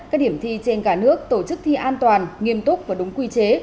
các điểm thi trên cả nước tổ chức thi an toàn nghiêm túc và đúng quy chế